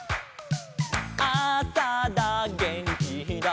「あさだげんきだ」